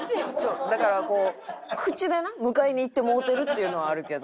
だからこう口でな迎えに行ってもうてるっていうのはあるけど。